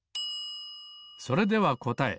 それではこたえ。